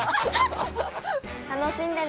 楽しんでね。